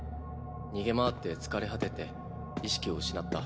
逃げ回って疲れ果てて意識を失った。